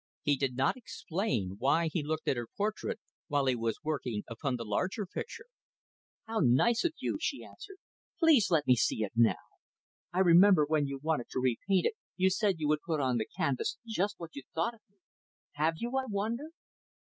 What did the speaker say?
He did not explain why he looked at her portrait while he was working upon the larger picture. "How nice of you," she answered "Please let me see it now. I remember when you wanted to repaint it, you said you would put on the canvas just what you thought of me; have you? I wonder!"